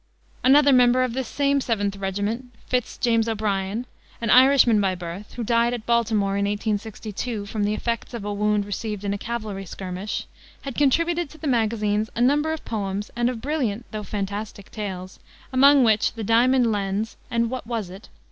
Another member of this same Seventh Regiment, Fitz James O'Brien, an Irishman by birth, who died at Baltimore, in 1862, from the effects of a wound received in a cavalry skirmish, had contributed to the magazines a number of poems and of brilliant though fantastic tales, among which the Diamond Lens and _What Was It?